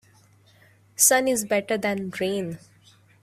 Sun is better than rain.